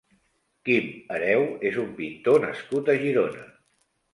Quim Hereu és un pintor nascut a Girona.